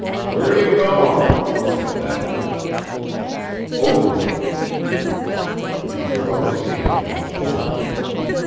"Where are you going?" said Thatcher. "Oakland." He threw up his hands once more.